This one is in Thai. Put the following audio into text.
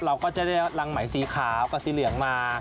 เราก็จะได้รังไหมสีขาวกับสีเหลืองมา